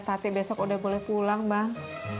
tati besok udah boleh pulang bang